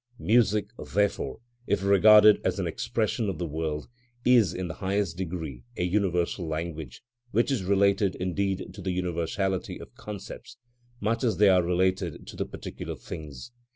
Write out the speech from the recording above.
Music, therefore, if regarded as an expression of the world, is in the highest degree a universal language, which is related indeed to the universality of concepts, much as they are related to the particular things.